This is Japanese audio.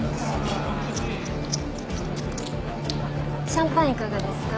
・シャンパンいかがですか？